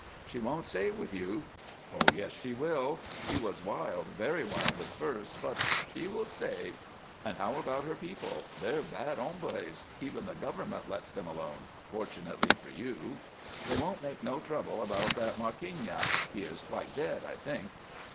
"She won't stay with you." "Oh yes, she will. She was wild, very wild at first, but she will stay." "And how about her people? They're bad hombres. Even the government lets them alone fortunately for you." "They won't make no trouble about that Markeeña. He is quite dead, I think."